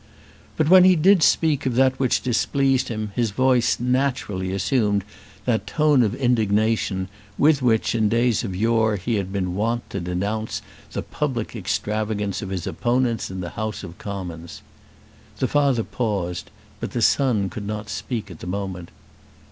But when he did speak of that which displeased him his voice naturally assumed that tone of indignation with which in days of yore he had been wont to denounce the public extravagance of his opponents in the House of Commons. The father paused, but the son could not speak at the moment.